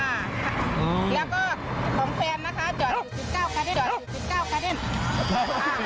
แล้วก็ของแฟนนะคะจ๔๙คาเตน